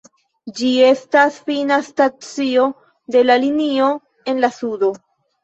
Ĝi estas fina stacio de la linio en la sudo.